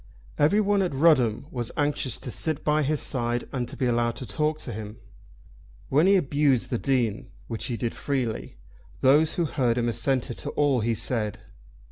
Everyone at Rudham was anxious to sit by his side and to be allowed to talk to him. When he abused the Dean, which he did freely, those who heard him assented to all he said.